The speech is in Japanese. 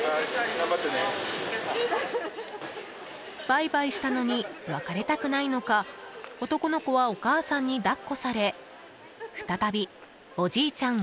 バイバイしたのに別れたくないのか男の子はお母さんに抱っこされ再び、おじいちゃん